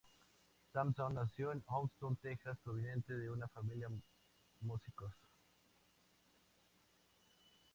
Sampson nació en Houston, Texas proveniente de una familia músicos.